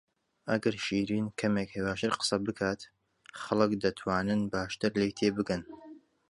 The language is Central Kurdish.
ئەگەر شیرین کەمێک هێواشتر قسە بکات، خەڵک دەتوانن باشتر لێی تێبگەن.